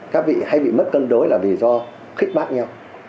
các vị hay bị mất cân đối là vì do khích bác nhau